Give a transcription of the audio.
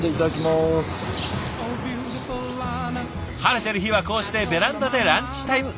晴れてる日はこうしてベランダでランチタイム。